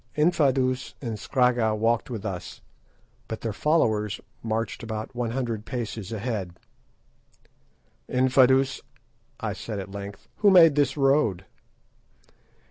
Infadoos and Scragga walked with us, but their followers marched about one hundred paces ahead. "Infadoos," I said at length, "who made this road?"